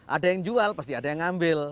ada yang jual pasti ada yang ngambil